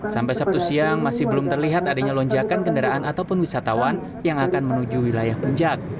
sampai sabtu siang masih belum terlihat adanya lonjakan kendaraan ataupun wisatawan yang akan menuju wilayah puncak